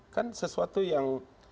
kan sesuatu yang